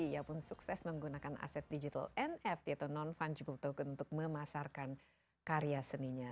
ia pun sukses menggunakan aset digital nft atau non fungible token untuk memasarkan karya seninya